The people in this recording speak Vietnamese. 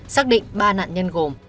xác định ba nạn nhân gồm